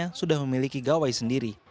namun anak anak yang memiliki gawai sendiri